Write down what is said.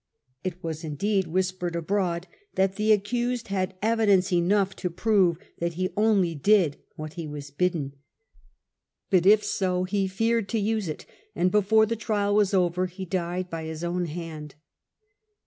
It was, indeed, whispered abroad that the accused had evi dence enough to prove that he only did what he was bidden ; but if so, he feared to use it, and before the trial was over he died by his own hand.